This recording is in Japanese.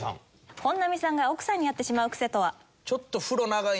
本並さんが奥さんにやってしまうクセとは？